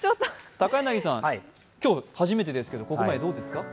高柳さん、今日初めてですけどここまでどうですか？